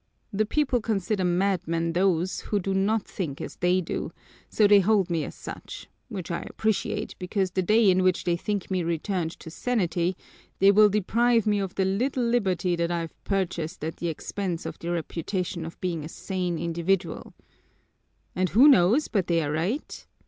The people consider madmen those who do not think as they do, so they hold me as such, which I appreciate, because the day in which they think me returned to sanity, they will deprive me of the little liberty that I've purchased at the expense of the reputation of being a sane individual. And who knows but they are right?